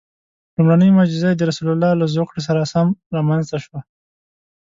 لومړنۍ معجزه یې د رسول الله له زوکړې سره سم رامنځته شوه.